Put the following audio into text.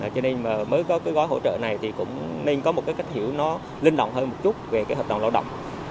cho nên mới có gói hỗ trợ này nên có một cách hiểu nó linh động hơn một chút về hợp đồng lao động